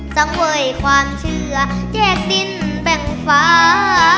จังเว้ยความเชื่อแยกดินแบ่งฟ้า